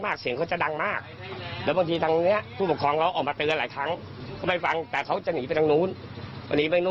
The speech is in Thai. แล้วผมจะข้ามไปอุ้มหลังก็อุ้มให้ด่าไม่เพราะสึกร้อนมา